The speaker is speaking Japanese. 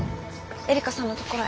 えりかさんのところへ。